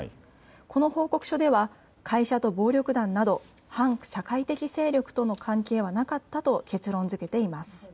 この報告書では会社と暴力団など反社会的勢力との関係はなかったと結論づけています。